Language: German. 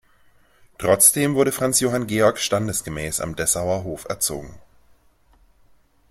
Trotzdem wurde Franz Johann Georg standesgemäß am Dessauer Hof erzogen.